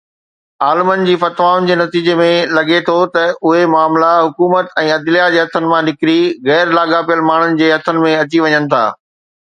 عالمن جي فتوائن جي نتيجي ۾ لڳي ٿو ته اهي معاملا حڪومت ۽ عدليه جي هٿن مان نڪري غير لاڳاپيل ماڻهن جي هٿن ۾ اچي وڃن ٿا.